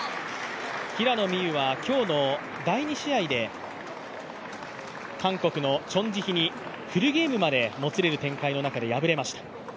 平野美宇は今日の第２試合で韓国のチョン・ジヒにフルゲームまでもつれる展開の中で敗れました。